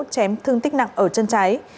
chém thương tích nặng ở chân trái